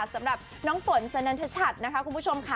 สำหรับน้องฝนสนันทชัดนะคะคุณผู้ชมค่ะ